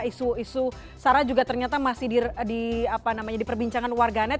isu isu sara juga ternyata masih di apa namanya di perbincangan warganet